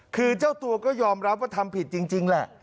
คือเจ้าตัวก็ยอมรับว่าทำผิดจริงแหละ